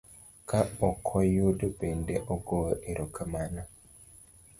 ka okoyudo bende ogoyo ero kamano.